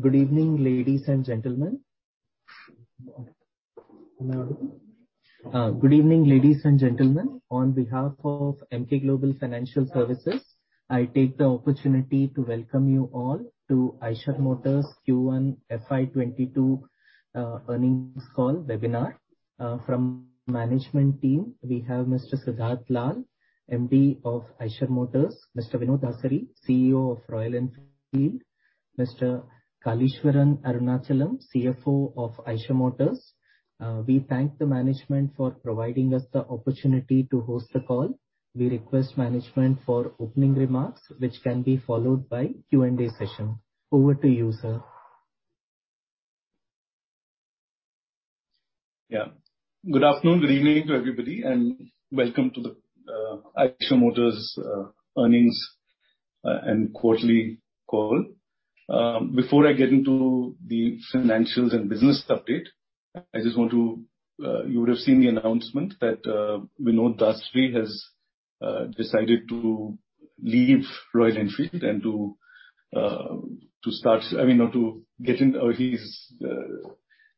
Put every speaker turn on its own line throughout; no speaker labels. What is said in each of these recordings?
Good evening, ladies and gentlemen. On behalf of Emkay Global Financial Services, I take the opportunity to welcome you all to Eicher Motors Q1 FY 2022 earnings call webinar. From management team, we have Mr. Siddhartha Lal, MD of Eicher Motors, Mr. Vinod Dasari, CEO of Royal Enfield, Mr. Kaleeswaran Arunachalam, CFO of Eicher Motors. We thank the management for providing us the opportunity to host the call. We request management for opening remarks, which can be followed by Q&A session. Over to you, sir.
Yeah. Good afternoon. Good evening to everybody, and welcome to the Eicher Motors earnings and quarterly call. Before I get into the financials and business update, you would've seen the announcement that Vinod Dasari has decided to leave Royal Enfield and he's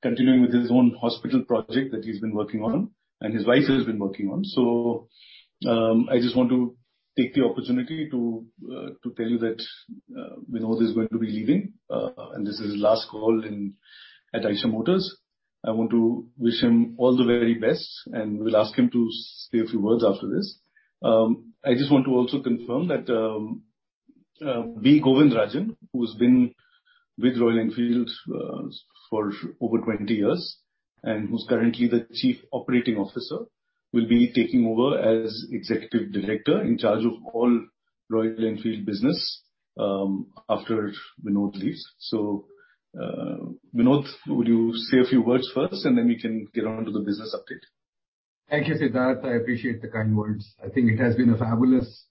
continuing with his own hospital project that he's been working on, and his wife has been working on. I just want to take the opportunity to tell you that Vinod is going to be leaving, and this is his last call at Eicher Motors. I want to wish him all the very best, and we'll ask him to say a few words after this. I just want to also confirm that B. Govindarajan, who's been with Royal Enfield for over 20 years and who's currently the Chief Operating Officer, will be taking over as Executive Director in charge of all Royal Enfield business after Vinod leaves. Vinod, would you say a few words first and then we can get on to the business update.
Thank you, Siddharth. I appreciate the kind words. I think it has been a fabulous,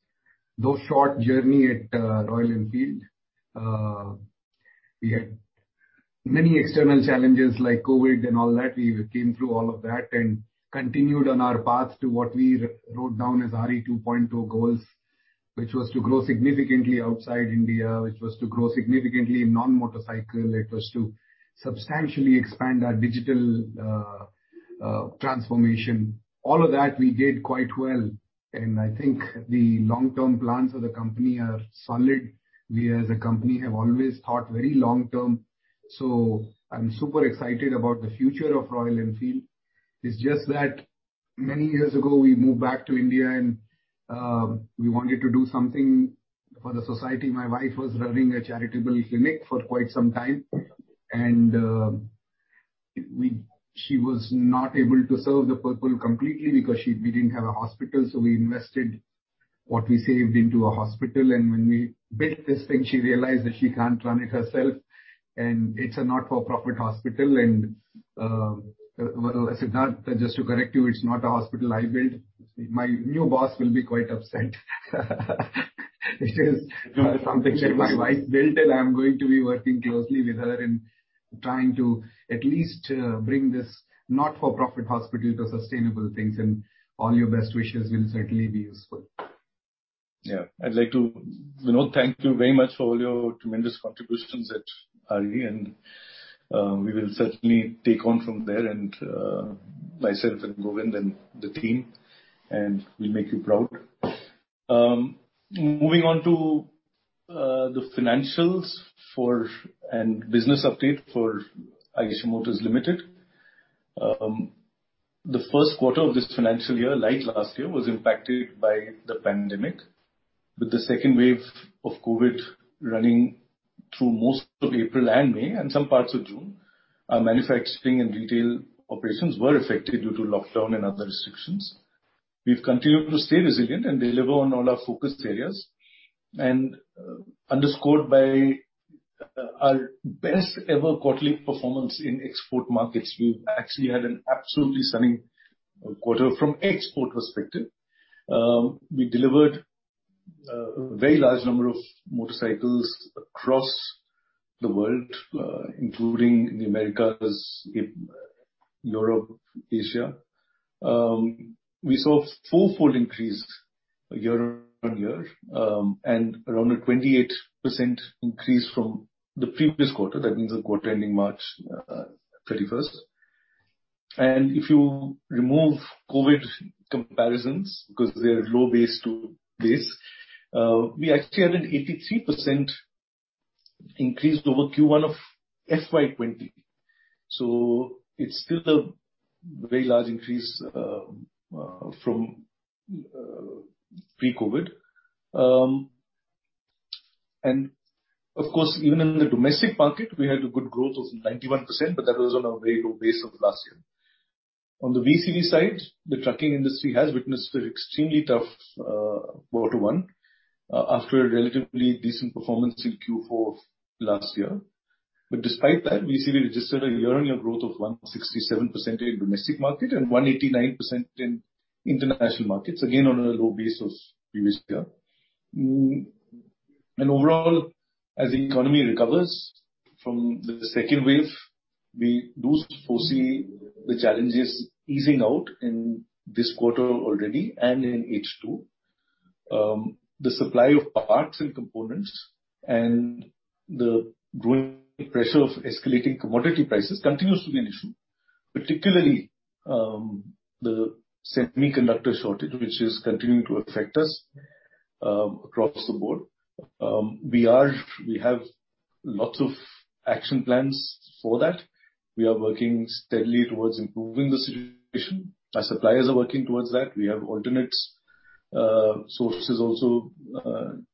though short, journey at Royal Enfield. We had many external challenges like COVID and all that. We came through all of that and continued on our path to what we wrote down as RE 2.0 goals, which was to grow significantly outside India, which was to grow significantly in non-motorcycle. It was to substantially expand our digital transformation. All of that we did quite well, and I think the long-term plans of the company are solid. We, as a company, have always thought very long-term, so I'm super excited about the future of Royal Enfield. It's just that many years ago, we moved back to India and we wanted to do something for the society. My wife was running a charitable clinic for quite some time and she was not able to serve the people completely because we didn't have a hospital. We invested what we saved into a hospital, and when we built this thing, she realized that she can't run it herself. It's a not-for-profit hospital and, well, Siddharth, just to correct you, it's not a hospital I built. My new boss will be quite upset. It is something that my wife built, and I'm going to be working closely with her in trying to at least bring this not-for-profit hospital to sustainable things, and all your best wishes will certainly be useful.
Vinod, thank you very much for all your tremendous contributions at RE, and we will certainly take on from there, myself and Govind and the team, and we will make you proud. Moving on to the financials and business update for Eicher Motors Limited. The first quarter of this financial year, like last year, was impacted by the pandemic, with the second wave of COVID running through most of April and May and some parts of June. Our manufacturing and retail operations were affected due to lockdown and other restrictions. We have continued to stay resilient and deliver on all our focus areas, and underscored by our best ever quarterly performance in export markets. We have actually had an absolutely stunning quarter from export perspective. We delivered a very large number of motorcycles across the world, including in the Americas, Europe, Asia. We saw a fourfold increase year on year, and around a 28% increase from the previous quarter. That means the quarter ending March 31st. If you remove COVID comparisons, because they're low base to base, we actually had an 83% increase over Q1 of FY 2020. It's still a very large increase from pre-COVID. Of course, even in the domestic market, we had a good growth of 91%, but that was on a very low base of last year. On the VECV side, the trucking industry has witnessed an extremely tough quarter one after a relatively decent performance in Q4 of last year. Despite that, VECV registered a year-on-year growth of 167% in domestic market and 189% in international markets, again, on a low base of previous year. Overall, as the economy recovers from the second wave. We do foresee the challenges easing out in this quarter already and in H2. The supply of parts and components and the growing pressure of escalating commodity prices continues to be an issue, particularly the semiconductor shortage, which is continuing to affect us across the board. We have lots of action plans for that. We are working steadily towards improving the situation. Our suppliers are working towards that. We have alternate sources also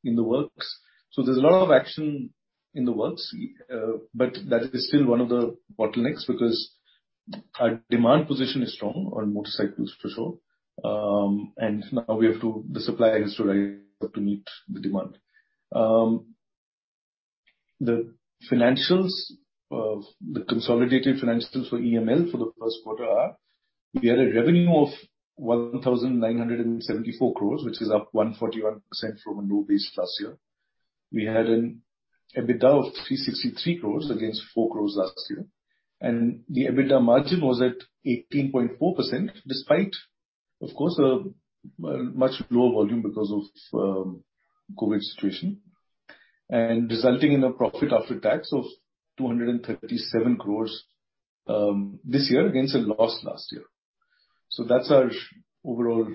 in the works. There's a lot of action in the works, but that is still one of the bottlenecks because our demand position is strong on motorcycles for sure. Now the supplier has to rise up to meet the demand. The consolidated financials for EML for the first quarter are, we had a revenue of 1,974 crores, which is up 141% from a low base last year. We had an EBITDA of 363 crores against 4 crores last year. The EBITDA margin was at 18.4%, despite, of course, a much lower volume because of COVID situation. Resulting in a profit after tax of 237 crores this year against a loss last year. That's our overall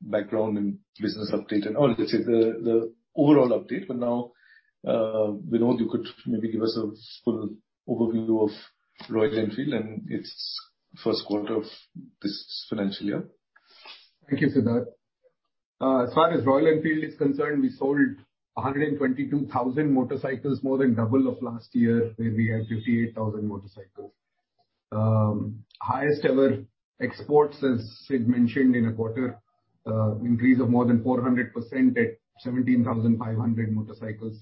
background and business update and all, let's say, the overall update. Now, Vinod, you could maybe give us a full overview of Royal Enfield and its first quarter of this financial year.
Thank you, Siddhartha. As far as Royal Enfield is concerned, we sold 122,000 motorcycles, more than double of last year, where we had 58,000 motorcycles. Highest ever exports, as Sid mentioned in a quarter, increase of more than 400% at 17,500 motorcycles.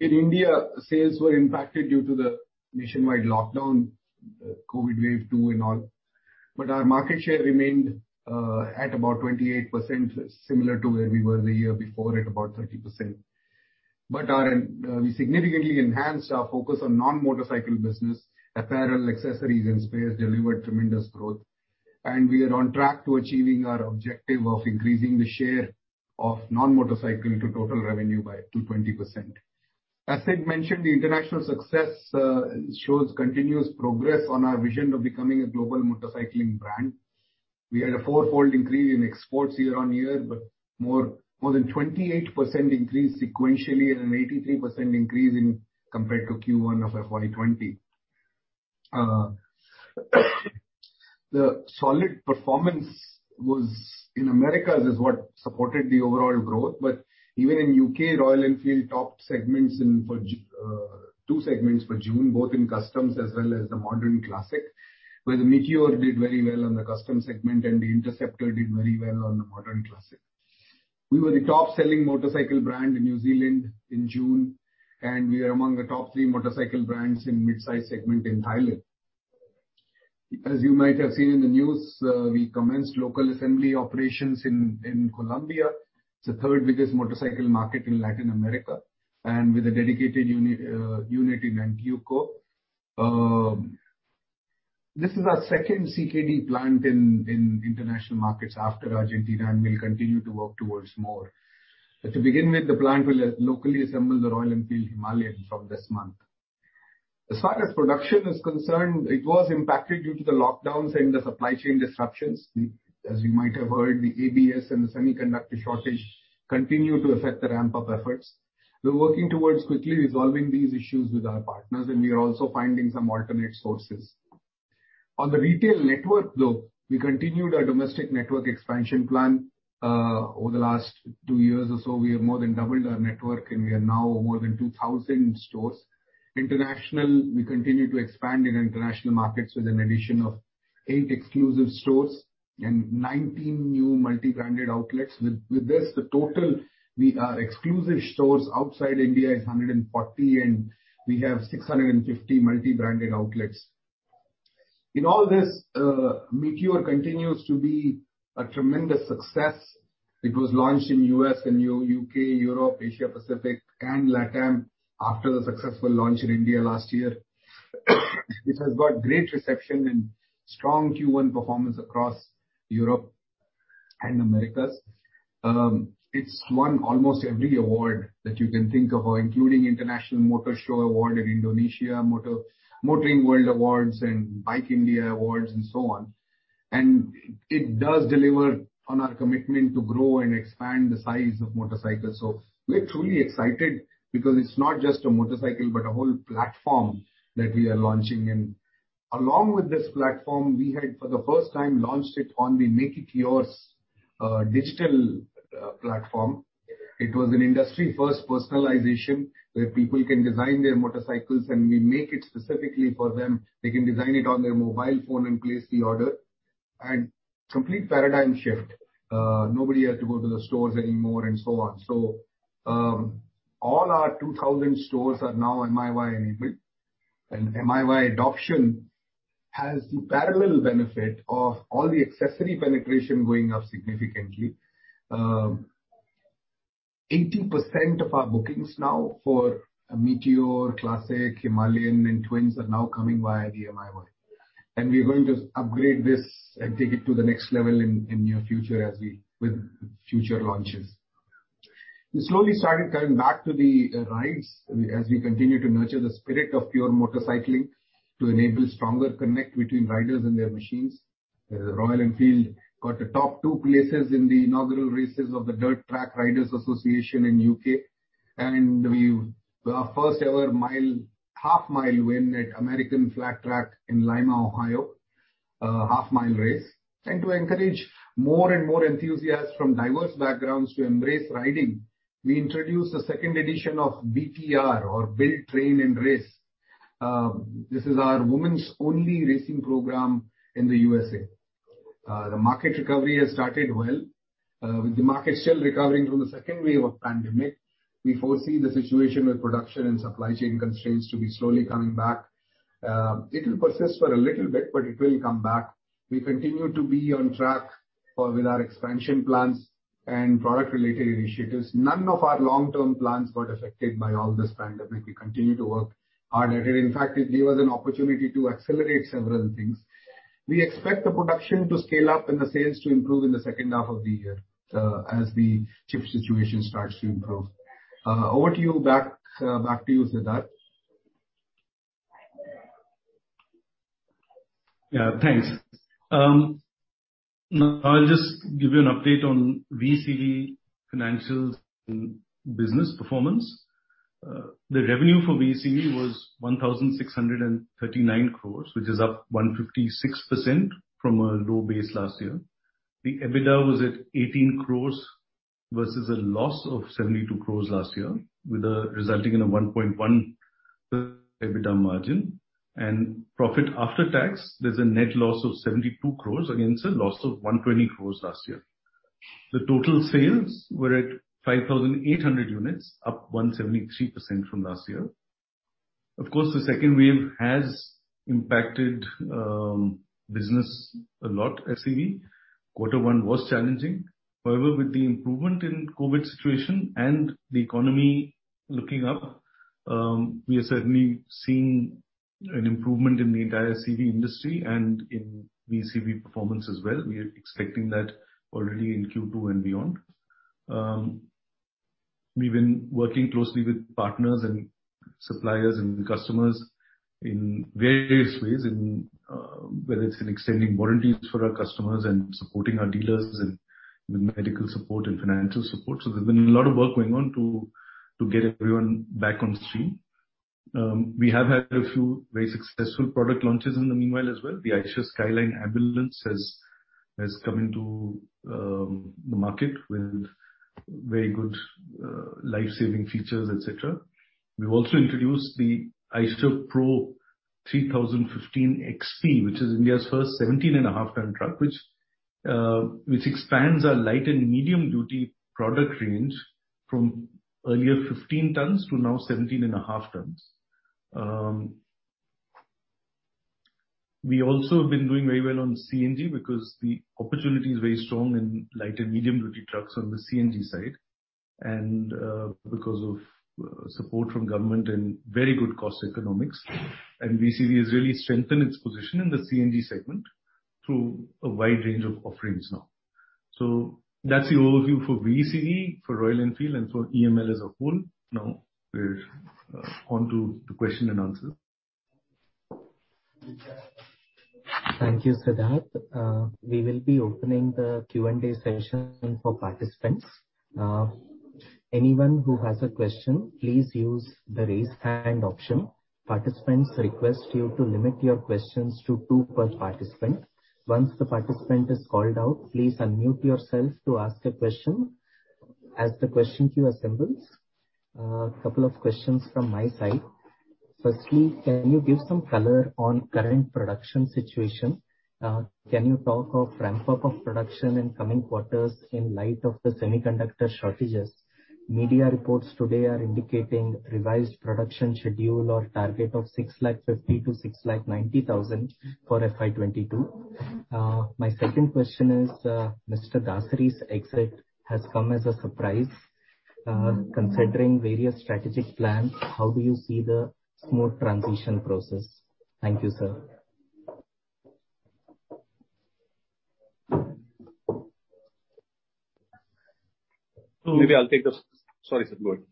In India, sales were impacted due to the nationwide lockdown, COVID wave two and all. Our market share remained at about 28%, similar to where we were the year before at about 30%. We significantly enhanced our focus on non-motorcycle business. Apparel, accessories and spares delivered tremendous growth. We are on track to achieving our objective of increasing the share of non-motorcycle to total revenue by 2%-20%. As Sid mentioned, the international success shows continuous progress on our vision of becoming a global motorcycling brand. We had a four-fold increase in exports year-on-year, more than 28% increase sequentially and an 83% increase compared to Q1 FY 2020. The solid performance in Americas is what supported the overall growth. Even in U.K., Royal Enfield topped two segments for June, both in customs as well as the modern classic, where the Meteor did very well on the custom segment and the Interceptor did very well on the modern classic. We were the top-selling motorcycle brand in New Zealand in June, and we are among the top three motorcycle brands in midsize segment in Thailand. As you might have seen in the news, we commenced local assembly operations in Colombia. It's the third biggest motorcycle market in Latin America, and with a dedicated unit in Manizales. This is our second CKD plant in international markets after Argentina, and we'll continue to work towards more. To begin with, the plant will locally assemble the Royal Enfield Himalayan from this month. As far as production is concerned, it was impacted due to the lockdowns and the supply chain disruptions. As you might have heard, the ABS and the semiconductor shortage continue to affect the ramp-up efforts. We're working towards quickly resolving these issues with our partners, and we are also finding some alternate sources. On the retail network, though, we continued our domestic network expansion plan. Over the last two years or so, we have more than doubled our network, and we are now more than 2,000 stores. International, we continue to expand in international markets with an addition of 8 exclusive stores and 19 new multi-branded outlets. With this, the total exclusive stores outside India is 140, and we have 650 multi-branded outlets. In all this, Meteor continues to be a tremendous success. It was launched in U.S., U.K., Europe, Asia Pacific and LATAM after the successful launch in India last year. It has got great reception and strong Q1 performance across Europe and Americas. It has won almost every award that you can think of, including International Motor Show award in Indonesia, Motoring World awards and Bike India awards and so on. It does deliver on our commitment to grow and expand the size of motorcycles. We are truly excited because it is not just a motorcycle, but a whole platform that we are launching. Along with this platform, we had, for the first time, launched it on the Make It Yours digital platform. It was an industry first personalization where people can design their motorcycles and we make it specifically for them. They can design it on their mobile phone and place the order. Complete paradigm shift. Nobody has to go to the stores anymore and so on. All our 2,000 stores are now MiY enabled, and MiY adoption has the parallel benefit of all the accessory penetration going up significantly. 80% of our bookings now for a Meteor, Classic, Himalayan, and Twins are now coming via the MiY. We're going to upgrade this and take it to the next level in near future with future launches. We slowly started coming back to the rides as we continue to nurture the spirit of pure motorcycling to enable stronger connect between riders and their machines. Royal Enfield got the top two places in the inaugural races of the Dirt Track Riders Association in U.K., and our first ever half mile win at American Flat Track in Lima, Ohio, half mile race. To encourage more and more enthusiasts from diverse backgrounds to embrace riding, we introduced a second edition of BTR or Build, Train, and Race. This is our women's only racing program in the USA. The market recovery has started well. With the market still recovering from the second wave of pandemic, we foresee the situation with production and supply chain constraints to be slowly coming back. It will persist for a little bit, it will come back. We continue to be on track with our expansion plans and product-related initiatives. None of our long-term plans got affected by all this pandemic. We continue to work harder. In fact, it gave us an opportunity to accelerate several things. We expect the production to scale up and the sales to improve in the second half of the year as the chip situation starts to improve. Over to you, back to you, Siddhartha.
Yeah, thanks. I'll just give you an update on VECV financials and business performance. The revenue for VECV was 1,639 crore, which is up 156% from a low base last year. The EBITDA was at 18 crore versus a loss of 72 crore last year, resulting in a 1.1% EBITDA margin. Profit after tax, there's a net loss of 72 crore against a loss of 120 crore last year. The total sales were at 5,800 units, up 173% from last year. Of course, the second wave has impacted business a lot, as you see. Quarter 1 was challenging. However, with the improvement in COVID situation and the economy looking up, we are certainly seeing an improvement in the entire CV industry and in VECV performance as well. We are expecting that already in Q2 and beyond. We've been working closely with partners and suppliers and customers in various ways, whether it's in extending warranties for our customers and supporting our dealers in medical support and financial support. There's been a lot of work going on to get everyone back on stream. We have had a few very successful product launches in the meanwhile as well. The Eicher Skyline ambulance has come into the market with very good life-saving features, et cetera. We've also introduced the Eicher Pro 3015XP, which is India's first 17.5 ton truck, which expands our light and medium duty product range from earlier 15 tons to now 17.5 tons. We also have been doing very well on CNG because the opportunity is very strong in light and medium duty trucks on the CNG side and because of support from government and very good cost economics. VECV has really strengthened its position in the CNG segment through a wide range of offerings now. That's the overview for VECV, for Royal Enfield and for EML as a whole. Now, we're on to the question-and-answer.
Thank you, Siddhartha. We will be opening the Q&A session for participants. Anyone who has a question, please use the raise hand option. Participants request you to limit your questions to 2 per participant. Once the participant is called out, please unmute yourself to ask a question. As the question queue assembles, a couple of questions from my side. Firstly, can you give some color on current production situation? Can you talk of ramp up of production in coming quarters in light of the semiconductor shortages? Media reports today are indicating revised production schedule or target of 6.50 lakh-6.90 lakh for FY 2022. My second question is, Mr. Dasari's exit has come as a surprise. Considering various strategic plans, how do you see the smooth transition process? Thank you, sir.
Maybe I'll take this. Sorry, Siddhartha.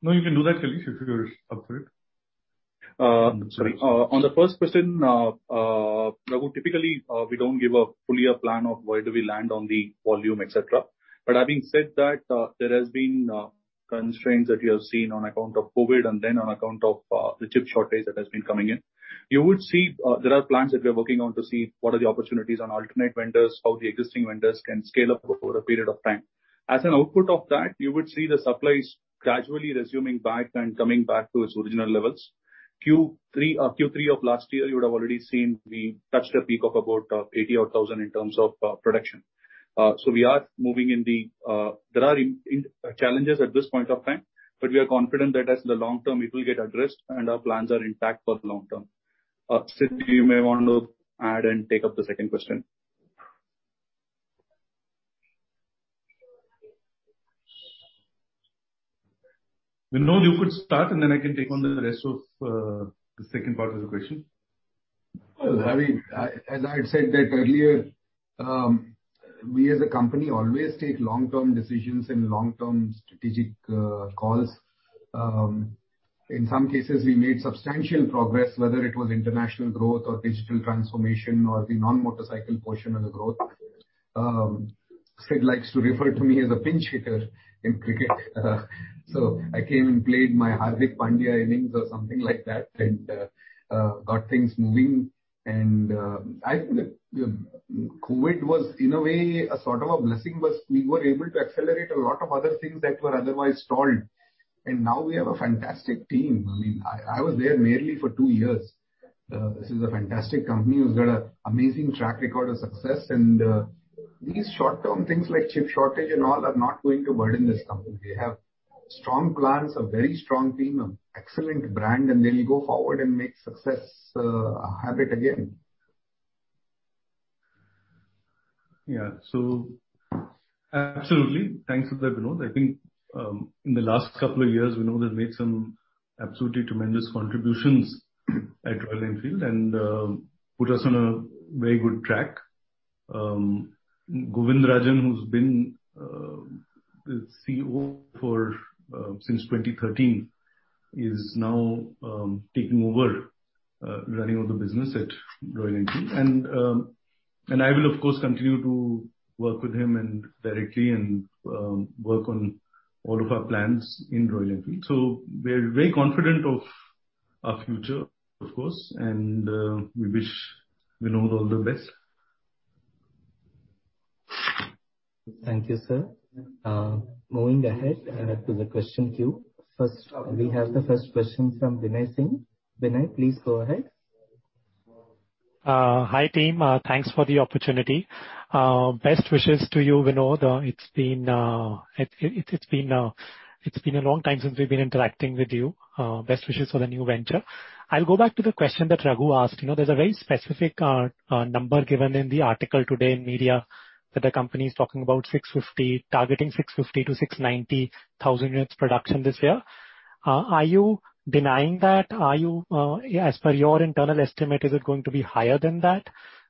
No, you can do that, Kaleeswaran Arunachalam, if you're up for it.
Sorry. On the 1st question, typically, we don't give a full year plan of where do we land on the volume, et cetera. Having said that, there has been constraints that you have seen on account of COVID and then on account of the chip shortage that has been coming in. There are plans that we are working on to see what are the opportunities on alternate vendors, how the existing vendors can scale up over a period of time. As an output of that, you would see the supplies gradually resuming back and coming back to its original levels. Q3 of last year, you would have already seen we touched a peak of about 80-odd thousand in terms of production. There are challenges at this point of time, but we are confident that as the long term, it will get addressed and our plans are intact for long term. Sidd, you may want to add and take up the second question.
Vinod, you could start, and then I can take on the rest of the second part of the question.
As I said that earlier, we as a company always take long-term decisions and long-term strategic calls. In some cases, we made substantial progress, whether it was international growth or digital transformation or the non-motorcycle portion of the growth. Sid likes to refer to me as a pinch hitter in cricket. I came and played my Hardik Pandya innings or something like that and got things moving. I think that COVID was, in a way, a sort of a blessing, because we were able to accelerate a lot of other things that were otherwise stalled. Now we have a fantastic team. I was there merely for two years. This is a fantastic company who's got an amazing track record of success, and these short-term things like chip shortage and all are not going to burden this company. We have strong plans, a very strong team, an excellent brand, and they will go forward and make success a habit again.
Yeah. Absolutely. Thanks for that, Vinod. I think in the last couple of years, Vinod has made some absolutely tremendous contributions at Royal Enfield and put us on a very good track. Govindarajan, who's been the CEO since 2013, is now taking over running of the business at Royal Enfield. I will, of course, continue to work with him directly and work on all of our plans in Royal Enfield. We're very confident of our future, of course, and we wish Vinod all the best.
Thank you, sir. Moving ahead to the question queue. First, we have the first question from Binay Singh. Binay, please go ahead.
Hi, team. Thanks for the opportunity. Best wishes to you, Vinod. It's been a long time since we've been interacting with you. Best wishes for the new venture. I'll go back to the question that Raghu asked. There's a very specific number given in the article today in media, that the company is talking about targeting 650,000-690,000 units production this year. Are you denying that? As per your internal estimate, is it going to be higher than that?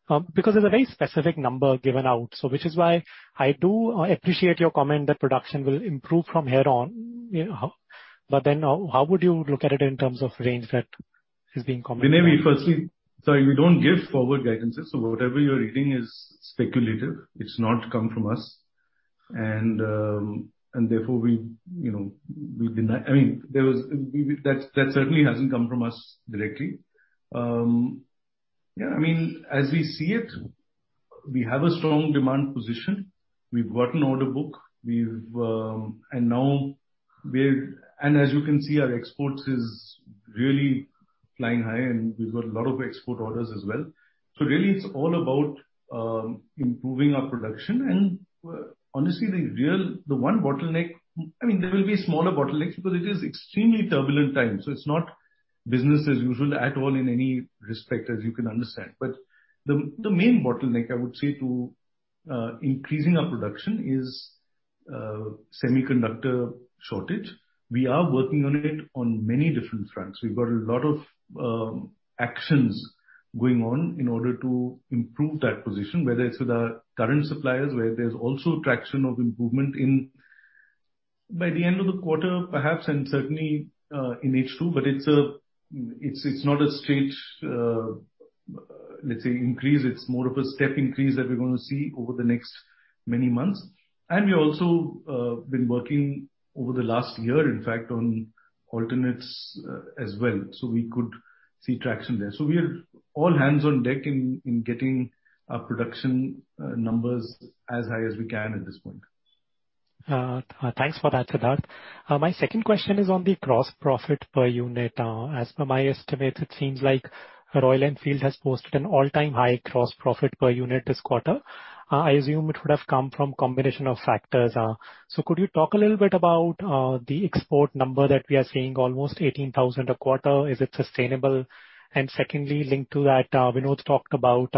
It's a very specific number given out. Which is why I do appreciate your comment that production will improve from here on, how would you look at it in terms of range that is being commented on?
Vinay, firstly, we don't give forward guidance, whatever you're reading is speculative. It's not come from us. Therefore, that certainly hasn't come from us directly. As we see it, we have a strong demand position. We've got an order book. As you can see, our exports is really flying high, and we've got a lot of export orders as well. Really, it's all about improving our production. Honestly, the one bottleneck, there will be smaller bottlenecks, because it is extremely turbulent times, so it's not business as usual at all in any respect, as you can understand. The main bottleneck, I would say, to increasing our production is semiconductor shortage. We are working on it on many different fronts. We've got a lot of actions going on in order to improve that position, whether it's with our current suppliers, where there's also traction of improvement in by the end of the quarter, perhaps, and certainly in H2, but it's not a straight increase. It's more of a step increase that we're going to see over the next many months. We've also been working over the last year, in fact, on alternates as well. We could see traction there. We are all hands on deck in getting our production numbers as high as we can at this point.
Thanks for that, Siddhartha. My second question is on the gross profit per unit. As per my estimate, it seems like Royal Enfield has posted an all-time high gross profit per unit this quarter. I assume it would have come from combination of factors. Could you talk a little bit about the export number that we are seeing, almost 18,000 a quarter. Is it sustainable? Secondly, linked to that, Vinod talked about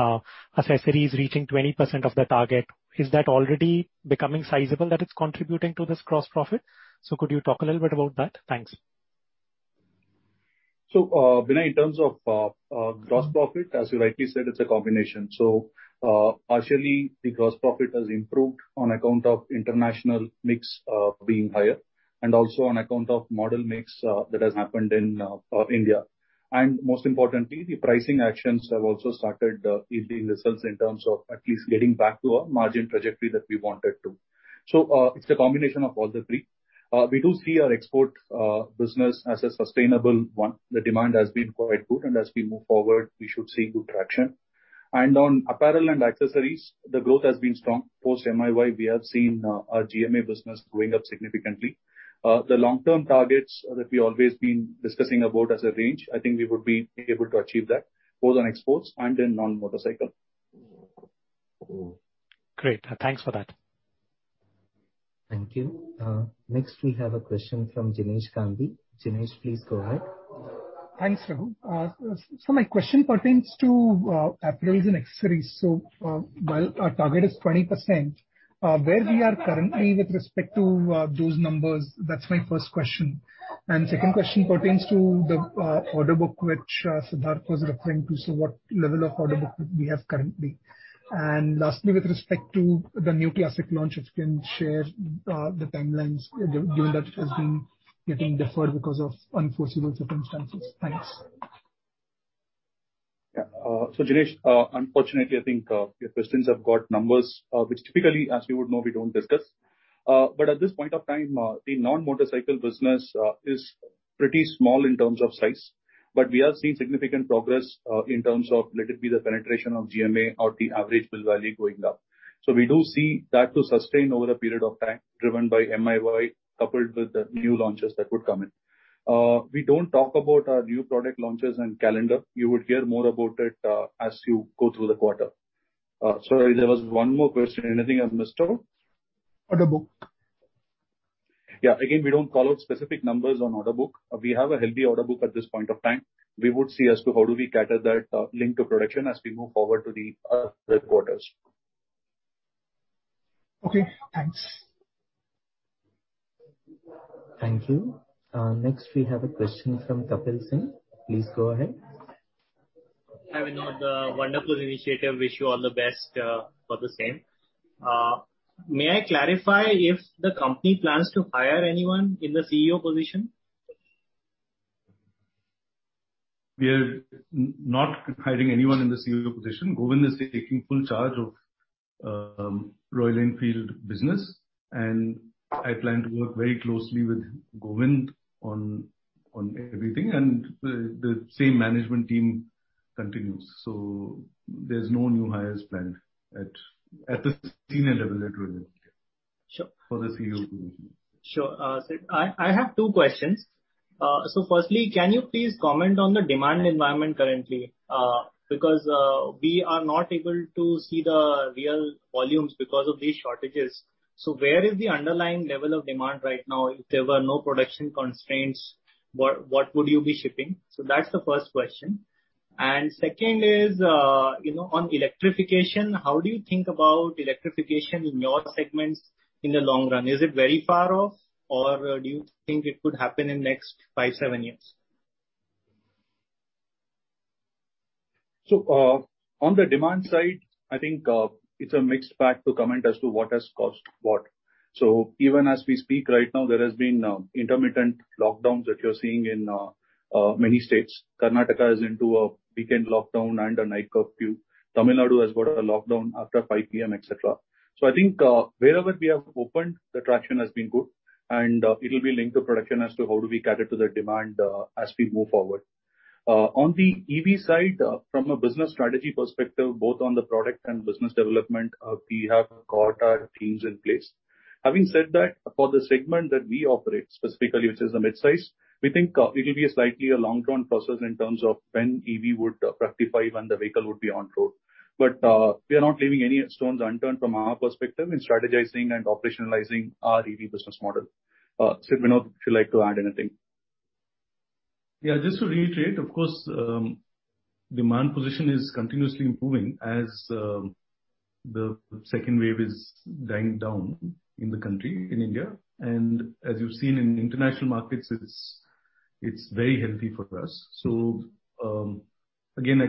accessories reaching 20% of the target. Is that already becoming sizable, that it's contributing to this gross profit? Could you talk a little bit about that? Thanks.
Vinay, in terms of gross profit, as you rightly said, it's a combination. Partially, the gross profit has improved on account of international mix being higher and also on account of model mix that has happened in India. Most importantly, the pricing actions have also started yielding results in terms of at least getting back to our margin trajectory that we wanted to. It's a combination of all the three. We do see our export business as a sustainable one. The demand has been quite good, and as we move forward, we should see good traction. On apparel and accessories, the growth has been strong. Post MiY, we have seen our GMA business going up significantly. The long-term targets that we always been discussing about as a range, I think we would be able to achieve that, both on exports and in non-motorcycle.
Great. Thanks for that.
Thank you. Next we have a question from Jinesh Gandhi. Jinesh, please go ahead.
Thanks, Raghu. My question pertains to apparels and accessories. While our target is 20%, where we are currently with respect to those numbers? That's my first question. Second question pertains to the order book, which Siddhartha was referring to. What level of order book we have currently? Lastly, with respect to the new Classic launch, if you can share the timelines, given that it has been getting deferred because of unforeseeable circumstances. Thanks.
Yeah. Jinesh, unfortunately, I think your questions have got numbers, which typically, as you would know, we don't discuss. At this point of time, the non-motorcycle business is pretty small in terms of size. We are seeing significant progress in terms of let it be the penetration of GMA or the average bill value going up. We do see that to sustain over a period of time, driven by MiY, coupled with the new launches that would come in. We don't talk about our new product launches and calendar. You would hear more about it as you go through the quarter. Sorry, there was one more question. Anything I've missed out?
Order book.
Again, we don't call out specific numbers on order book. We have a healthy order book at this point of time. We would see as to how do we cater that link to production as we move forward to the other quarters.
Okay, thanks.
Thank you. Next we have a question from Kapil Singh. Please go ahead.
Hi, Vinod. Wonderful initiative. Wish you all the best for the same. May I clarify if the company plans to hire anyone in the CEO position?
We are not hiring anyone in the CEO position. Govind is taking full charge of Royal Enfield business, and I plan to work very closely with Govind on everything, and the same management team continues. There's no new hires planned at the senior level at Royal Enfield. Sure. For the CEO position.
Sure, Sid. I have two questions. Firstly, can you please comment on the demand environment currently? Because we are not able to see the real volumes because of these shortages. Where is the underlying level of demand right now? If there were no production constraints, what would you be shipping? That's the first question. Second is, on electrification, how do you think about electrification in your segments in the long run? Is it very far off or do you think it could happen in next five, seven years?
On the demand side, I think it's a mixed bag to comment as to what has caused what. Even as we speak right now, there has been intermittent lockdowns that you're seeing in many states. Karnataka is into a weekend lockdown and a night curfew. Tamil Nadu has got a lockdown after 5:00 P.M., et cetera. I think wherever we have opened, the traction has been good, and it will be linked to production as to how do we cater to the demand as we move forward. On the EV side from a business strategy perspective, both on the product and business development, we have got our teams in place. Having said that, for the segment that we operate specifically, which is the mid-size, we think it will be a slightly long-term process in terms of when the vehicle would be on road. We are not leaving any stones unturned from our perspective in strategizing and operationalizing our EV business model. Sid Vinod, if you'd like to add anything.
Yeah, just to reiterate, of course, demand position is continuously improving as the second wave is dying down in the country, in India. As you've seen in international markets, it's very healthy for us. Again,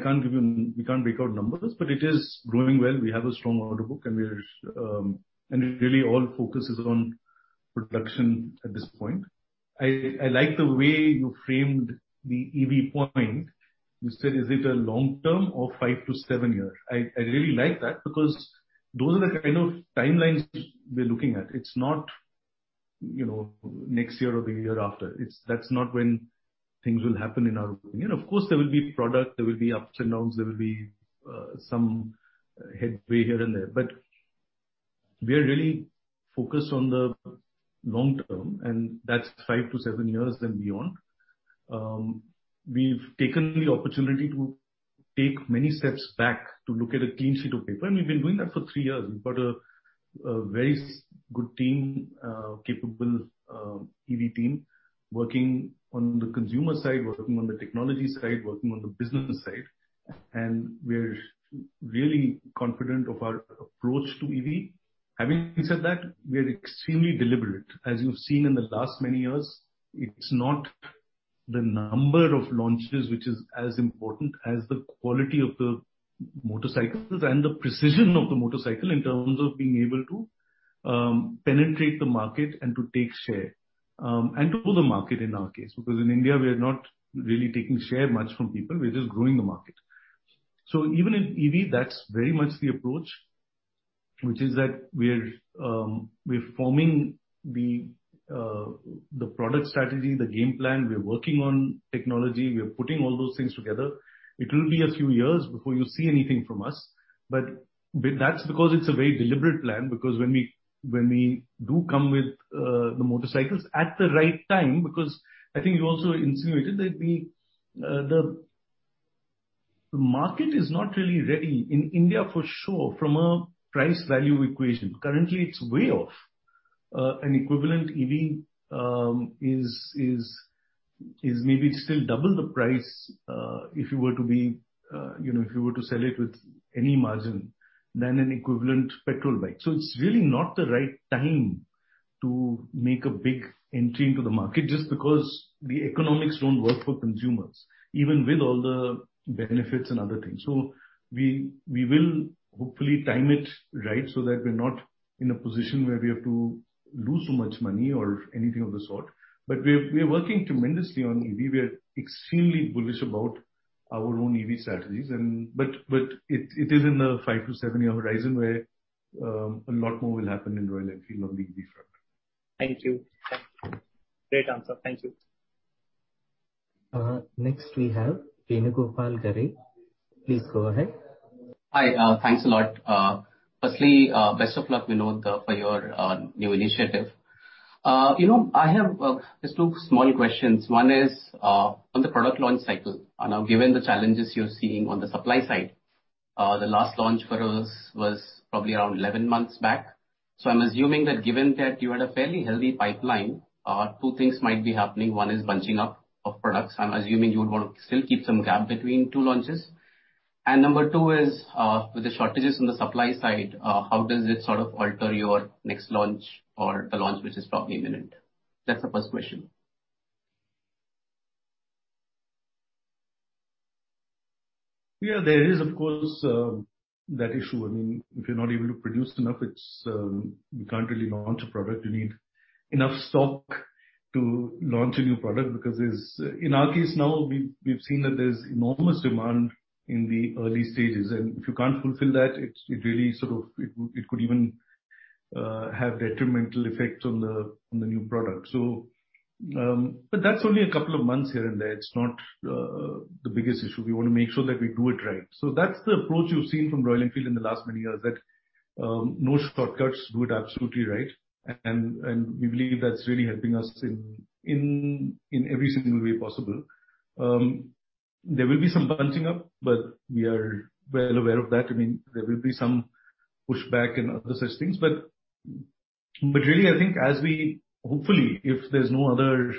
we can't break out numbers, but it is growing well. We have a strong order book and it really all focuses on production at this point. I like the way you framed the EV point. You said, is it a long term or five to seven years? I really like that because those are the kind of timelines we're looking at. It's not next year or the year after. That's not when things will happen in our opinion. Of course, there will be product, there will be ups and downs, there will be some headway here and there. We are really focused on the long term. That's five to seven years, then beyond. We've taken the opportunity to take many steps back to look at a clean sheet of paper. We've been doing that for three years. We've got a very good team, capable EV team, working on the consumer side, working on the technology side, working on the business side. We're really confident of our approach to EV. Having said that, we are extremely deliberate. As you've seen in the last many years, it's not the number of launches which is as important as the quality of the motorcycles and the precision of the motorcycle in terms of being able to penetrate the market and to take share, and to pull the market in our case, because in India, we are not really taking share much from people. We're just growing the market. Even in EV, that's very much the approach, which is that we're forming the product strategy, the game plan. We're working on technology. We are putting all those things together. It will be a few years before you see anything from us, but that's because it's a very deliberate plan. When we do come with the motorcycles at the right time, because I think you also insinuated that the market is not really ready in India for sure, from a price value equation. Currently, it's way off. An equivalent EV is maybe still double the price, if you were to sell it with any margin, than an equivalent petrol bike. It's really not the right time to make a big entry into the market, just because the economics don't work for consumers, even with all the benefits and other things. We will hopefully time it right so that we're not in a position where we have to lose too much money or anything of the sort. We're working tremendously on EV. We are extremely bullish about our own EV strategies, but it is in the five to seven-year horizon where a lot more will happen in Royal Enfield on the EV front.
Thank you. Great answer. Thank you.
Next we have Venugopal Garre. Please go ahead.
Hi, thanks a lot. Firstly, best of luck, Vinod, for your new initiative. I have just two small questions. One is on the product launch cycle. Given the challenges you're seeing on the supply side, the last launch for us was probably around 11 months back. I'm assuming that given that you had a fairly healthy pipeline, two things might be happening. One is bunching up of products. I'm assuming you would want to still keep some gap between two launches. Number two is, with the shortages on the supply side, how does it sort of alter your next launch or the launch, which is probably imminent? That's the first question.
Yeah, there is, of course, that issue. If you're not able to produce enough, you can't really launch a product. You need enough stock to launch a new product because in our case now, we've seen that there's enormous demand in the early stages, and if you can't fulfill that, it could even have detrimental effects on the new product. That's only a couple of months here and there. It's not the biggest issue. We want to make sure that we do it right. That's the approach you've seen from Royal Enfield in the last many years, that no shortcuts, do it absolutely right, and we believe that's really helping us in every single way possible. There will be some bunching up, but we are well aware of that. There will be some pushback and other such things. Really, I think as we, hopefully, if there's no other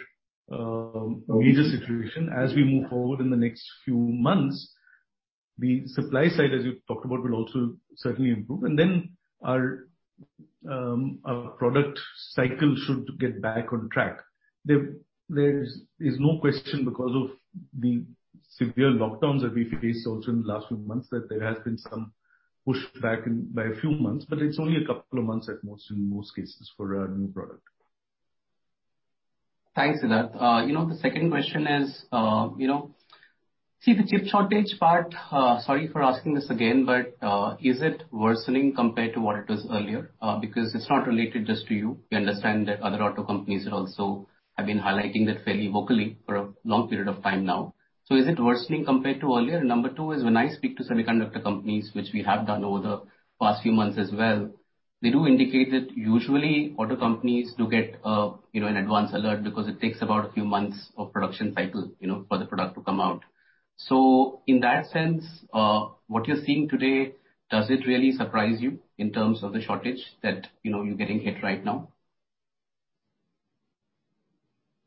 major situation, as we move forward in the next few months, the supply side, as you talked about, will also certainly improve. Our product cycle should get back on track. There is no question, because of the severe lockdowns that we faced also in the last few months, that there has been some pushback by a few months, but it's only two months at most in most cases for a new product.
Thanks, Siddharth. The second question is, see the chip shortage part, sorry for asking this again, but is it worsening compared to what it was earlier? Because it's not related just to you. We understand that other auto companies also have been highlighting that fairly vocally for a long period of time now. Is it worsening compared to earlier? Number two is, when I speak to semiconductor companies, which we have done over the past few months as well, they do indicate that usually auto companies do get an advance alert because it takes about a few months of production cycle for the product to come out. In that sense, what you're seeing today, does it really surprise you in terms of the shortage that you're getting hit right now?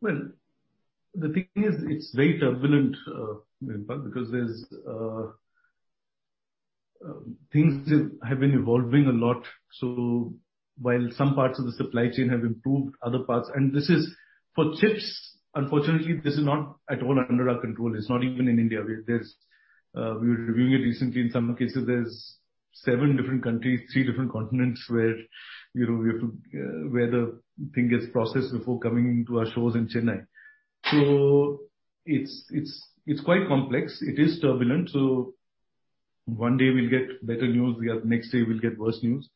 Well, the thing is, it's very turbulent, because things have been evolving a lot. While some parts of the supply chain have improved, and for chips, unfortunately, this is not at all under our control. It's not even in India. We were reviewing it recently. In some cases, there's seven different countries, three different continents where the thing gets processed before coming into our shores in Chennai. It's quite complex. It is turbulent. One day we'll get better news, the next day we'll get worse news.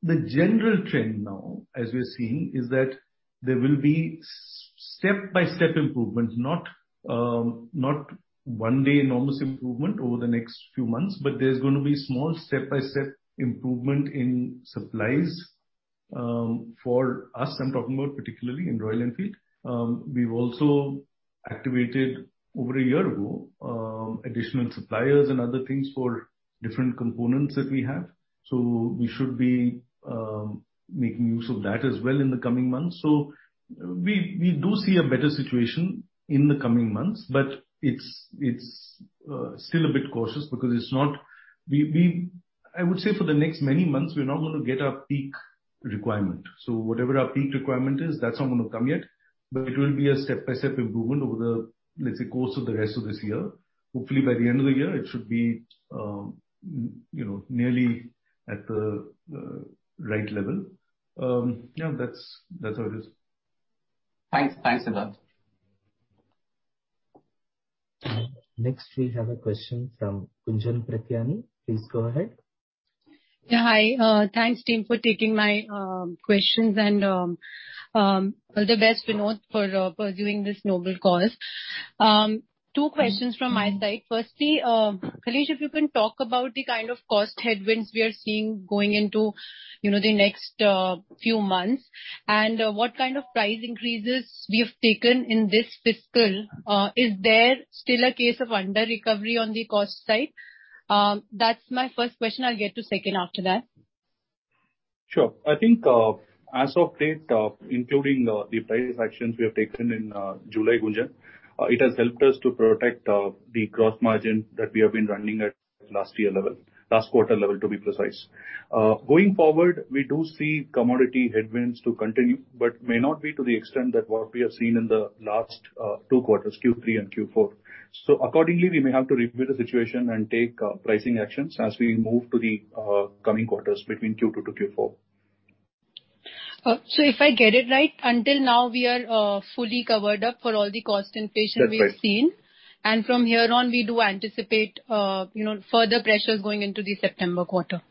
The general trend now, as we're seeing, is that there will be step-by-step improvements. Not one day, enormous improvement over the next few months, but there's going to be small step-by-step improvement in supplies. For us, I'm talking about particularly in Royal Enfield. We've also activated, over a year ago, additional suppliers and other things for different components that we have. We should be making use of that as well in the coming months. We do see a better situation in the coming months. It's still a bit cautious because I would say for the next many months, we're not going to get our peak requirement. Whatever our peak requirement is, that's not going to come yet, but it will be a step-by-step improvement over the, let's say, course of the rest of this year. Hopefully by the end of the year, it should be nearly at the right level. Yeah, that's how it is.
Thanks. Thanks a lot.
Next we have a question from Gunjan Prithyani. Please go ahead.
Yeah, hi. Thanks, team, for taking my questions and all the best, Vinod, for pursuing this noble cause. Two questions from my side. Firstly, Kaleeswaran Arunachalam, if you can talk about the kind of cost headwinds we are seeing going into the next few months and what kind of price increases we have taken in this fiscal. Is there still a case of under-recovery on the cost side? That's my first question. I'll get to second after that.
Sure. I think as of date, including the price actions we have taken in July, Gunjan, it has helped us to protect the gross margin that we have been running at last year level. Last quarter level, to be precise. Going forward, we do see commodity headwinds to continue, but may not be to the extent that what we have seen in the last two quarters, Q3 and Q4. Accordingly, we may have to review the situation and take pricing actions as we move to the coming quarters between Q2 to Q4.
If I get it right, until now, we are fully covered up for all the cost inflation we have seen.
That's right.
From here on, we do anticipate further pressures going into the September quarter.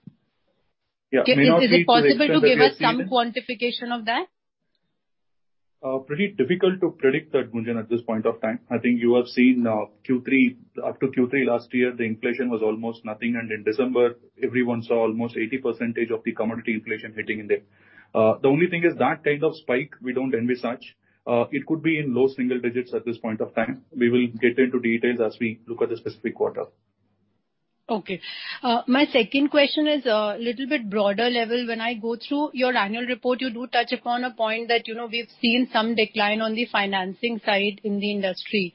Yeah. May not be to the extent that we have seen.
Is it possible to give us some quantification of that?
Pretty difficult to predict that, Gunjan, at this point of time. I think you have seen up to Q3 last year, the inflation was almost nothing. In December, everyone saw almost 80% of the commodity inflation hitting in there. The only thing is that kind of spike, we don't envy such. It could be in low single digits at this point of time. We will get into details as we look at the specific quarter.
Okay. My second question is a little bit broader level. When I go through your annual report, you do touch upon a point that we've seen some decline on the financing side in the industry.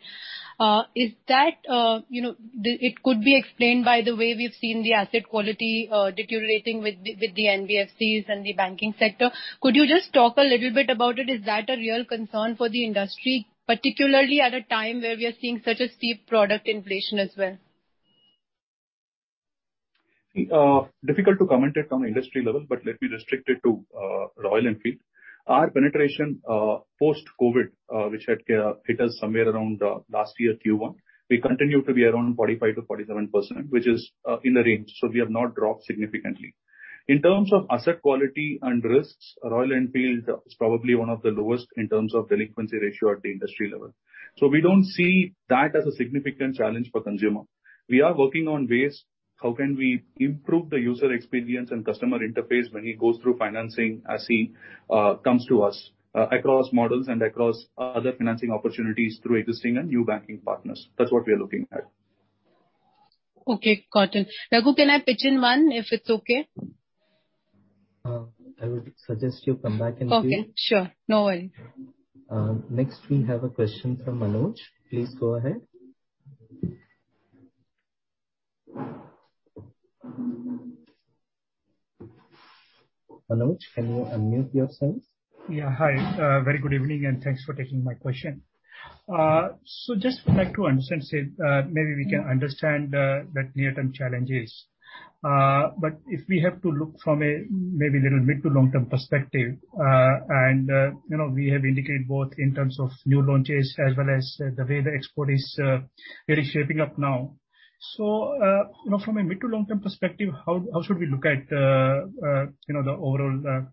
It could be explained by the way we've seen the asset quality deteriorating with the NBFCs and the banking sector. Could you just talk a little bit about it? Is that a real concern for the industry, particularly at a time where we are seeing such a steep product inflation as well?
Difficult to comment it on industry level, but let me restrict it to Royal Enfield. Our penetration post-COVID, which had hit us somewhere around last year Q1, we continue to be around 45%-47%, which is in the range. We have not dropped significantly. In terms of asset quality and risks, Royal Enfield is probably one of the lowest in terms of delinquency ratio at the industry level. We don't see that as a significant challenge for consumer. We are working on ways, how can we improve the user experience and customer interface when he goes through financing, as he comes to us, across models and across other financing opportunities through existing and new banking partners. That's what we are looking at.
Okay, got it. Raghu, can I pitch in one, if it's okay?
I would suggest you come back in queue.
Okay, sure. No worry.
Next we have a question from Manoj. Please go ahead. Manoj, can you unmute yourself?
Yeah. Hi, very good evening, thanks for taking my question. Just would like to understand, Sid. Maybe we can understand the near-term challenges. If we have to look from a maybe little mid to long-term perspective, we have indicated both in terms of new launches as well as the way the export is really shaping up now. From a mid to long-term perspective, how should we look at the overall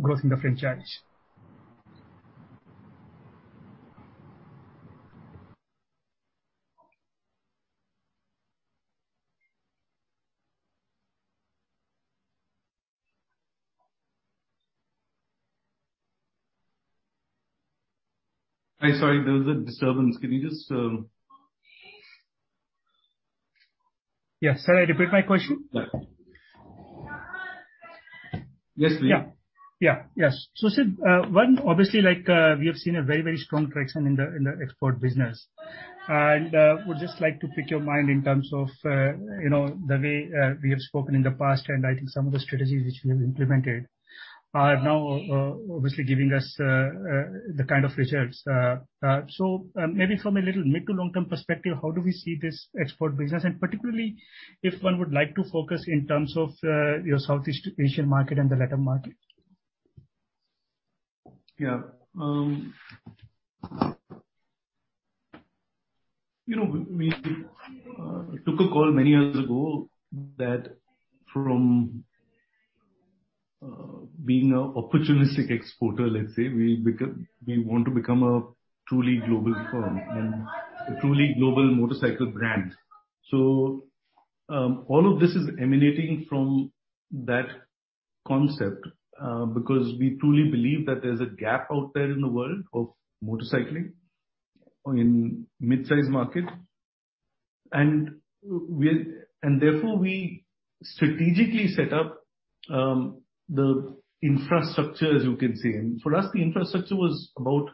growth in the franchise?
There was a disturbance. Can you just?
Yes. Shall I repeat my question?
Yeah. Yes, please.
Yeah. Sid, one, obviously we have seen a very strong correction in the export business. Would just like to pick your mind in terms of the way we have spoken in the past, and I think some of the strategies which we have implemented are now obviously giving us the kind of results. Maybe from a little mid to long-term perspective, how do we see this export business? Particularly, if one would like to focus in terms of your Southeast Asian market and the LATAM market.
Yeah. We took a call many years ago that from being an opportunistic exporter, let's say, we want to become a truly global firm and a truly global motorcycle brand. All of this is emanating from that concept, because we truly believe that there's a gap out there in the world of motorcycling or in mid-size market. Therefore, we strategically set up the infrastructure, as you can say. For us, the infrastructure was about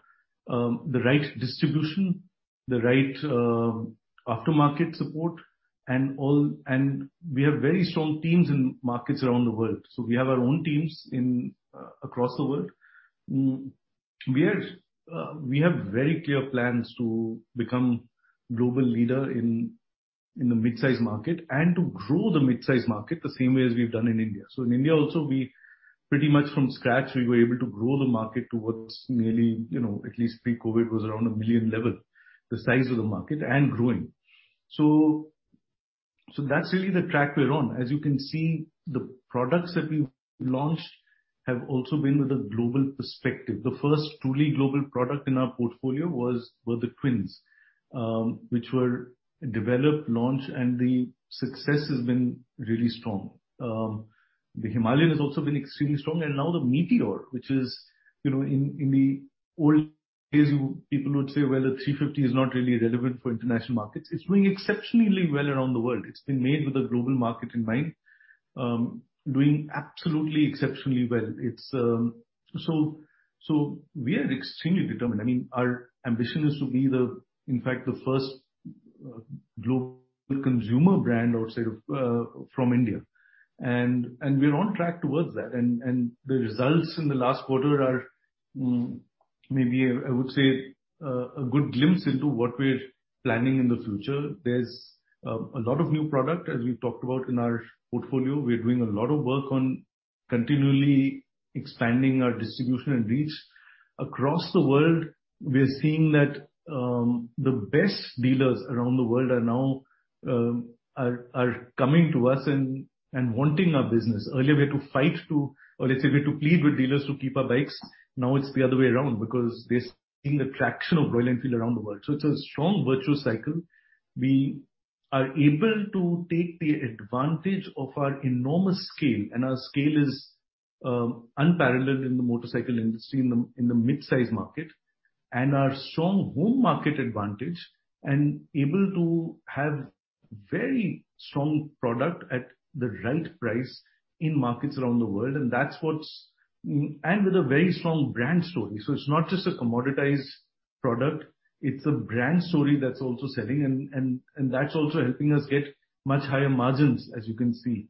the right distribution, the right aftermarket support, and we have very strong teams in markets around the world. We have our own teams across the world. We have very clear plans to become global leader in the midsize market and to grow the midsize market the same way as we've done in India. In India also, pretty much from scratch, we were able to grow the market towards nearly, at least pre-COVID, was around 1 million level, the size of the market and growing. That's really the track we're on. As you can see, the products that we've launched have also been with a global perspective. The first truly global product in our portfolio were the Twins, which were developed, launched, and the success has been really strong. The Himalayan has also been extremely strong. Now the Meteor, which is in the old Here's people would say, well, the 350 is not really relevant for international markets. It's doing exceptionally well around the world. It's been made with a global market in mind, doing absolutely exceptionally well. We are extremely determined. Our ambition is to be, in fact, the first global consumer brand from India, and we're on track towards that. The results in the last quarter are maybe, I would say, a good glimpse into what we're planning in the future. There's a lot of new product, as we talked about in our portfolio. We're doing a lot of work on continually expanding our distribution and reach. Across the world, we are seeing that the best dealers around the world are now coming to us and wanting our business. Earlier, we had to plead with dealers to keep our bikes. Now it's the other way around because they're seeing the traction of Royal Enfield around the world. It's a strong virtuous cycle. We are able to take the advantage of our enormous scale, and our scale is unparalleled in the motorcycle industry, in the mid-size market, and our strong home market advantage, and able to have very strong product at the right price in markets around the world. With a very strong brand story. It's not just a commoditized product, it's a brand story that's also selling, and that's also helping us get much higher margins, as you can see.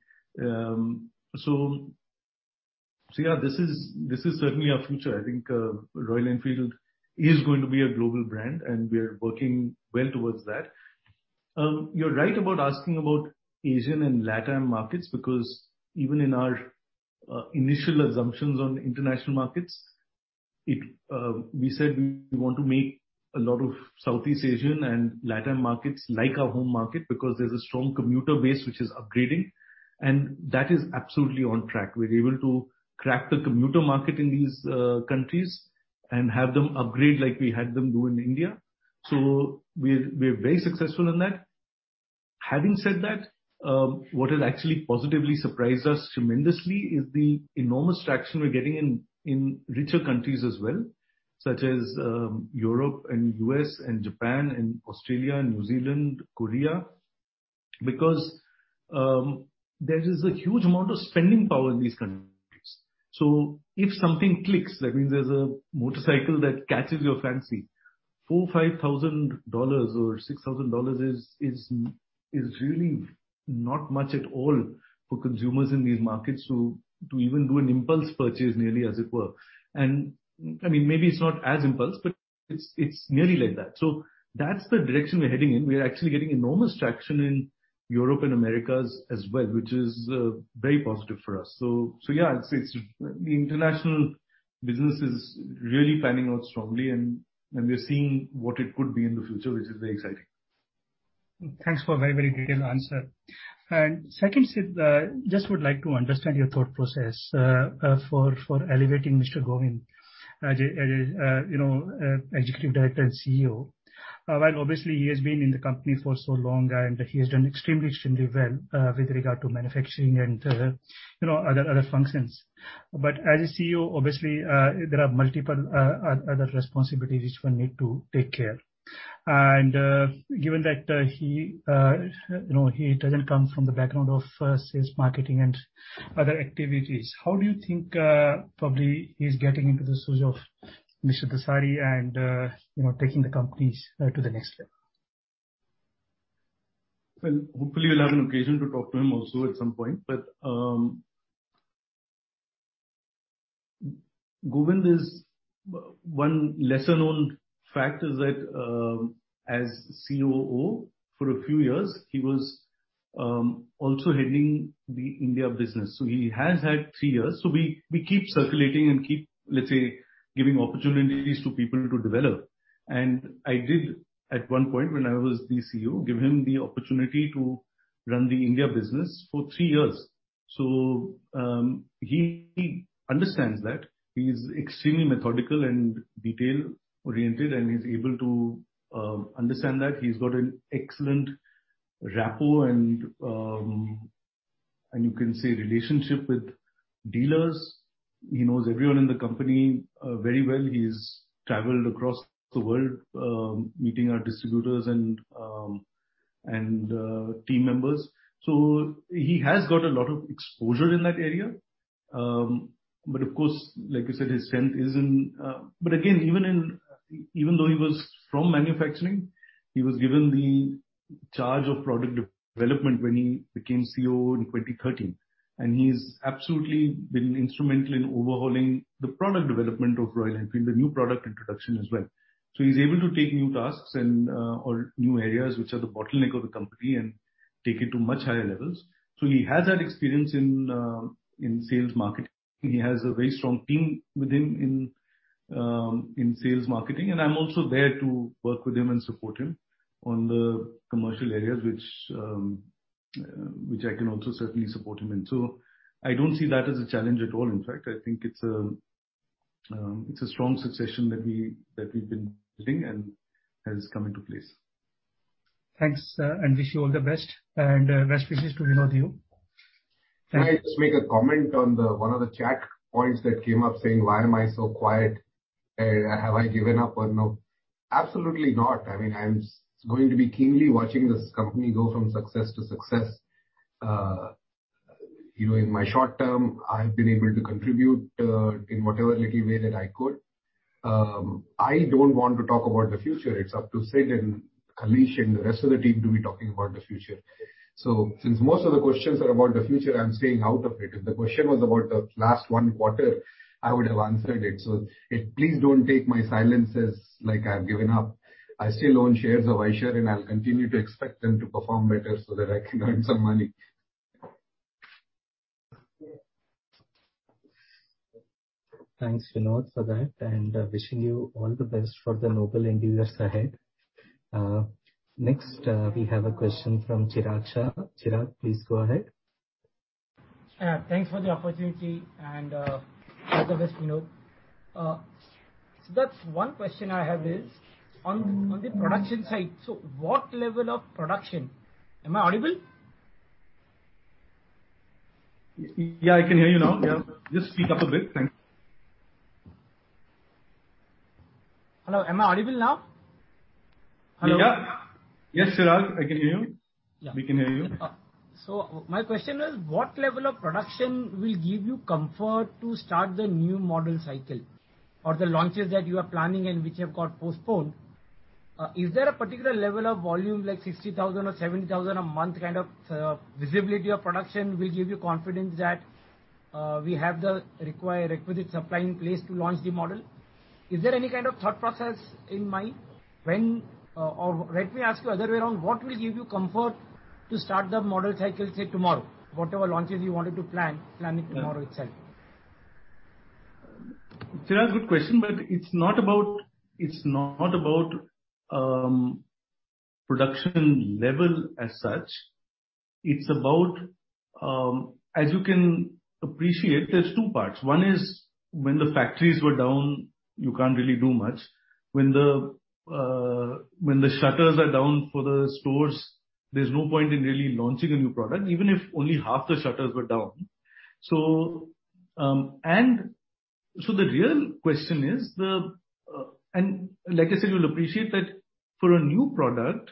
Yeah, this is certainly our future. I think Royal Enfield is going to be a global brand, and we are working well towards that. You're right about asking about Asian and LATAM markets, because even in our initial assumptions on international markets, we said we want to make a lot of Southeast Asian and LATAM markets like our home market because there's a strong commuter base which is upgrading, and that is absolutely on track. We're able to crack the commuter market in these countries and have them upgrade like we had them do in India. We're very successful in that. Having said that, what has actually positively surprised us tremendously is the enormous traction we're getting in richer countries as well, such as Europe and U.S. and Japan and Australia, New Zealand, Korea, because there is a huge amount of spending power in these countries. If something clicks, that means there's a motorcycle that catches your fancy, $4,000, $5,000, or $6,000 is really not much at all for consumers in these markets to even do an impulse purchase nearly as it were. Maybe it's not as impulse, but it's nearly like that. That's the direction we're heading in. We're actually getting enormous traction in Europe and Americas as well, which is very positive for us. Yeah, I'd say the international business is really panning out strongly and we are seeing what it could be in the future, which is very exciting.
Thanks for a very detailed answer. Second, Sidd, just would like to understand your thought process for elevating Mr. Govind as Executive Director and CEO. While obviously he has been in the company for so long and he has done extremely well with regard to manufacturing and other functions. As a CEO, obviously, there are multiple other responsibilities which one need to take care. Given that he doesn't come from the background of sales, marketing and other activities, how do you think probably he's getting into the shoes of Mr. Dasari and taking the companies to the next level?
Well, hopefully you'll have an occasion to talk to him also at some point. Govind is one lesser known fact is that, as COO for a few years, he was also heading the India business. He has had three years. We keep circulating and keep, let's say, giving opportunities to people to develop. I did, at one point when I was the CEO, give him the opportunity to run the India business for three years. He understands that. He's extremely methodical and detail-oriented, and he's able to understand that. He's got an excellent rapport and you can say relationship with dealers. He knows everyone in the company very well. He's traveled across the world, meeting our distributors and team members. He has got a lot of exposure in that area. Of course, like I said, his strength is in. Even though he was from manufacturing, he was given the charge of product development when he became CEO in 2013. He's absolutely been instrumental in overhauling the product development of Royal Enfield, the new product introduction as well. He's able to take new tasks or new areas which are the bottleneck of the company and take it to much higher levels. He has that experience in sales marketing. He has a very strong team with him in sales marketing, and I'm also there to work with him and support him on the commercial areas, which I can also certainly support him in. I don't see that as a challenge at all. In fact, I think it's a strong succession that we've been building and has come into place.
Thanks. Wish you all the best. Best wishes to Vinod, you.
Can I just make a comment on one of the chat points that came up saying, why am I so quiet? Have I given up or no? Absolutely not. I'm going to be keenly watching this company go from success to success. In my short term, I've been able to contribute in whatever little way that I could. I don't want to talk about the future. It's up to Sid and Kalees and the rest of the team to be talking about the future. Since most of the questions are about the future, I'm staying out of it. If the question was about the last one quarter, I would have answered it. Please don't take my silence as like I've given up. I still own shares of Eicher, and I'll continue to expect them to perform better so that I can earn some money.
Thanks, Vinod, for that, and wishing you all the best for the noble endeavors ahead. Next, we have a question from Chirag Shah. Chirag, please go ahead.
Thanks for the opportunity and all the best, Vinod. Siddharth, one question I have is on the production side, what level of production? Am I audible?
Yeah, I can hear you now. Yeah. Just speak up a bit. Thanks.
Hello, am I audible now? Hello.
Yeah. Yes, Chirag, I can hear you.
Yeah.
We can hear you.
My question is, what level of production will give you comfort to start the new model cycle or the launches that you are planning and which have got postponed? Is there a particular level of volume, like 60,000 or 70,000 a month kind of visibility of production will give you confidence that we have the requisite supply in place to launch the model? Is there any kind of thought process in mind when Let me ask you other way around. What will give you comfort to start the model cycle, say, tomorrow, whatever launches you wanted to plan, planning tomorrow itself?
Chirag, good question. It's not about production level as such. As you can appreciate, there's two parts. One is, when the factories were down, you can't really do much. When the shutters are down for the stores, there's no point in really launching a new product, even if only half the shutters were down. The real question is, like I said, you'll appreciate that for a new product,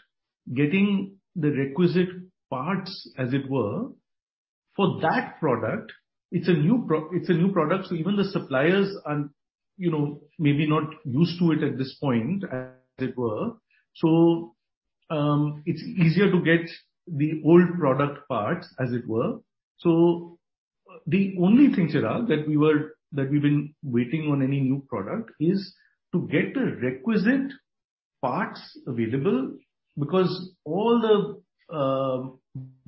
getting the requisite parts, as it were, for that product, it's a new product. Even the suppliers are maybe not used to it at this point, as it were. It's easier to get the old product parts, as it were. The only thing, Chirag, that we've been waiting on any new product is to get the requisite parts available, because all the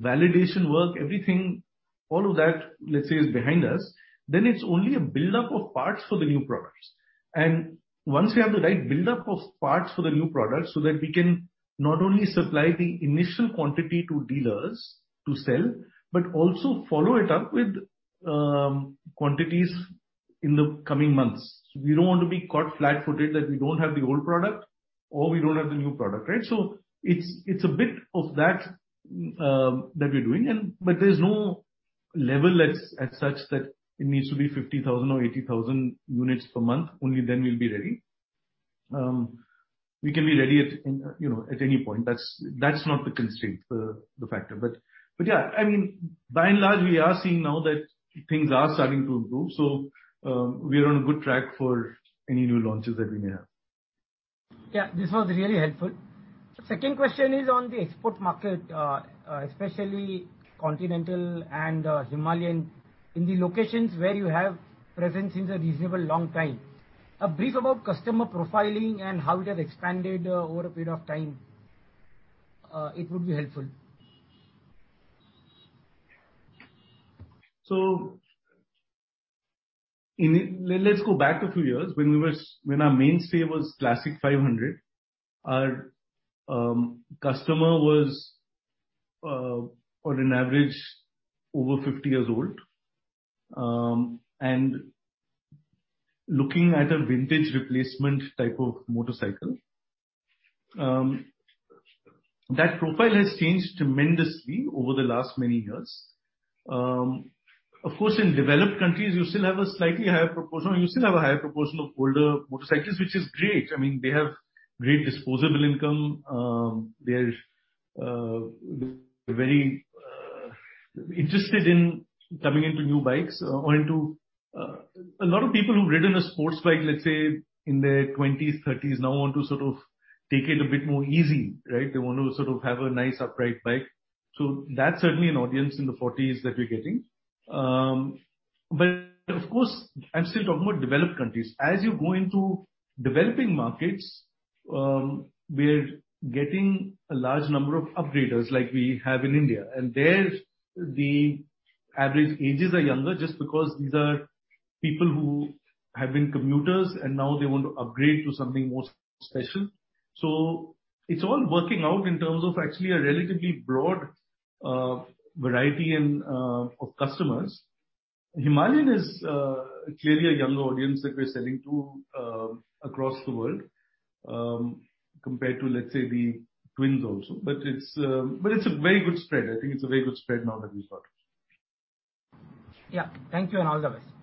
validation work, everything, all of that, let's say, is behind us. It's only a buildup of parts for the new products. Once we have the right buildup of parts for the new product so that we can not only supply the initial quantity to dealers to sell, but also follow it up with quantities in the coming months. We don't want to be caught flat-footed that we don't have the old product or we don't have the new product, right? It's a bit of that that we're doing. There's no level as such that it needs to be 50,000 or 80,000 units per month, only then we'll be ready. We can be ready at any point. That's not the constraint, the factor. Yeah, by and large, we are seeing now that things are starting to improve. We are on a good track for any new launches that we may have.
Yeah, this was really helpful. Second question is on the export market, especially Continental and Himalayan. In the locations where you have presence since a reasonable long time, a brief about customer profiling and how it has expanded over a period of time. It would be helpful.
Let's go back a few years. When our mainstay was Classic 500, our customer was on an average over 50 years old, and looking at a vintage replacement type of motorcycle. That profile has changed tremendously over the last many years. Of course, in developed countries, you still have a slightly higher proportion of older motorcyclists, which is great. They have great disposable income. They're very interested in coming into new bikes or A lot of people who've ridden a sports bike, let's say, in their twenties, thirties, now want to sort of take it a bit more easy, right? They want to sort of have a nice upright bike. That's certainly an audience in the forties that we're getting. Of course, I'm still talking about developed countries. As you go into developing markets, we're getting a large number of upgraders like we have in India. There, the average ages are younger just because these are people who have been commuters, and now they want to upgrade to something more special. It's all working out in terms of actually a relatively broad variety of customers. Himalayan is clearly a younger audience that we're selling to across the world, compared to, let's say, the Twins also. It's a very good spread. I think it's a very good spread now that we've got.
Yeah. Thank you, and all the best.
Thanks a lot.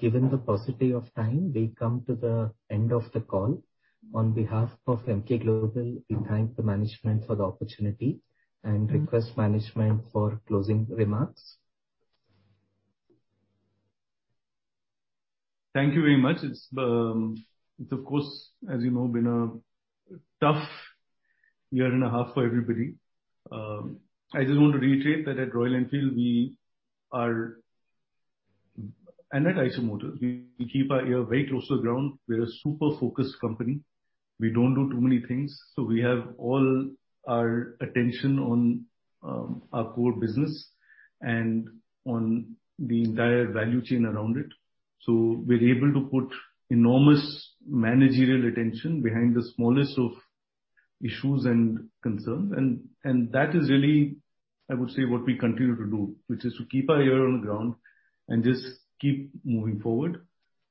Given the paucity of time, we come to the end of the call. On behalf of Emkay Global, we thank the management for the opportunity and request management for closing remarks.
Thank you very much. It's, of course, as you know, been a tough year and a half for everybody. I just want to reiterate that at Royal Enfield and at Eicher Motors, we keep our ear very close to the ground. We're a super focused company. We don't do too many things, so we have all our attention on our core business and on the entire value chain around it. We're able to put enormous managerial attention behind the smallest of issues and concerns. That is really, I would say, what we continue to do, which is to keep our ear on the ground and just keep moving forward.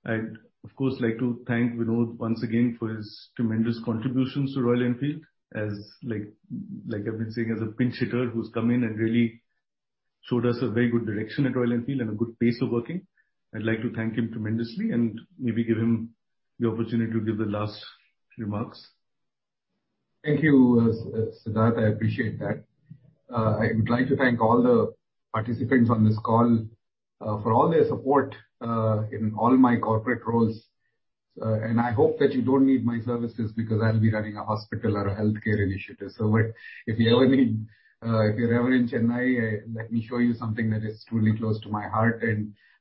I'd, of course, like to thank Vinod once again for his tremendous contributions to Royal Enfield. As I've been saying, as a pinch hitter who's come in and really showed us a very good direction at Royal Enfield and a good pace of working. I'd like to thank him tremendously and maybe give him the opportunity to give the last few remarks.
Thank you, Siddhartha. I appreciate that. I would like to thank all the participants on this call for all their support in all my corporate roles. I hope that you don't need my services because I'll be running a hospital or a healthcare initiative. If you're ever in Chennai, let me show you something that is truly close to my heart.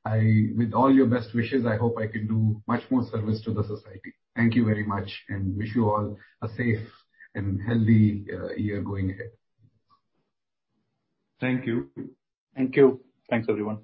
With all your best wishes, I hope I can do much more service to the society. Thank you very much, and wish you all a safe and healthy year going ahead.
Thank you.
Thank you.
Thanks, everyone.